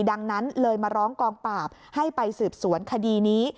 ดังนั้นเลยมาร้องกองปราบให้ไปสืบสวนคดีนี้